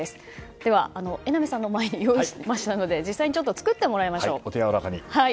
では、榎並さんの前に用意しましたので実際に作ってもらいましょう。